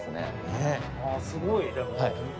すごいでも。